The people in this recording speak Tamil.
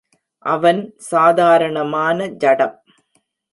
அவன், சாதாரணமான ஜடம்!